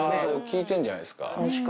聞いてんじゃないですか。